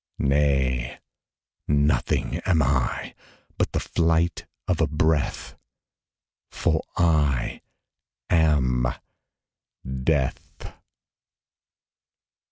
Nay; nothing am I, But the flight of a breath For I am Death!